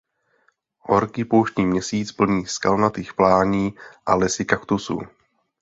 Horký pouštní měsíc plný skalnatých plání a lesy kaktusů.